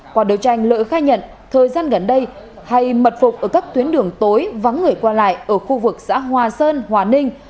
qua đấu tranh lợi khai nhận thời gian gần đây hay mật phục ở các tuyến đường tối vắng người qua lại ở khu vực xã hòa sơn hòa ninh